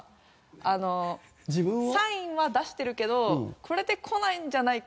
あのサインは出してるけどこれでこないんじゃないか？